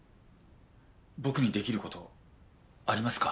僕にできる事ありますか？